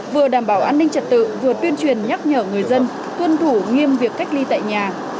vừa đảm bảo an ninh trật tự vừa tuyên truyền nhắc nhở người dân tuân thủ nghiêm việc cách ly tại nhà